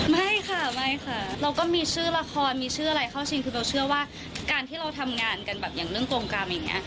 ไม่ค่ะไม่ค่ะเราก็มีชื่อละครมีชื่ออะไรเข้าชิงคือเบลเชื่อว่าการที่เราทำงานกันแบบอย่างเรื่องโกงกรรมอย่างนี้